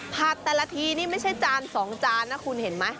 แต่ละทีนี่ไม่ใช่จาน๒จานนะคุณเห็นไหม